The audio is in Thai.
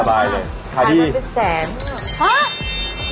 ขายมาเป็นแสน